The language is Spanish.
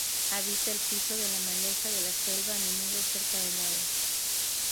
Habita el piso de la maleza de la selva a menudo cerca del agua.